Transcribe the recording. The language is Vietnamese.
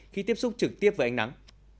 khi tiếp xúc trực tiếp với ánh nắng